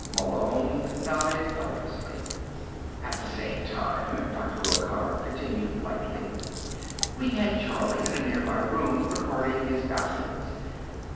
Malone nodded helplessly. "At the same time," Dr. O'Connor continued blithely, "we had Charlie in a nearby room, recording his babblings.